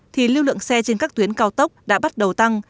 thì lưu lượng xe trên các tuyến cao tốc đã bắt đầu tăng